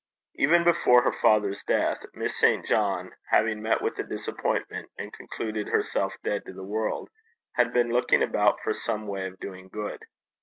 Even before her father's death, Miss St. John, having met with a disappointment, and concluded herself dead to the world, had been looking about for some way of doing good.